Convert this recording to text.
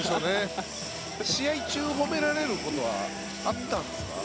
試合中、褒められることはあったんですか？